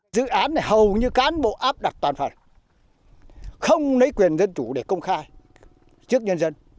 dự án hầu như cán bộ áp đặt toàn phần không lấy quyền dân chủ để công khai trước nhân dân